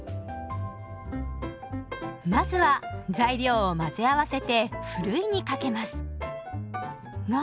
まずは材料を混ぜ合わせてふるいにかけますが。